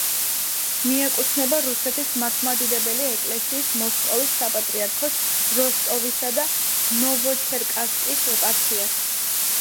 მიეკუთვნება რუსეთის მართლმადიდებელი ეკლესიის მოსკოვის საპატრიარქოს როსტოვისა და ნოვოჩერკასკის ეპარქიას.